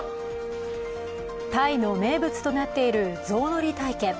タイの名物となっているゾウ乗り体験。